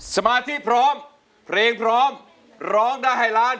สมาธิพร้อมเพลงพร้อมร้องได้ให้ล้าน